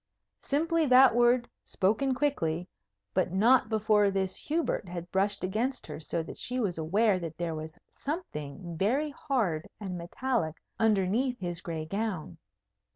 Simply that word, spoken quickly; but not before this Hubert had brushed against her so that she was aware that there was something very hard and metallic underneath his gray gown.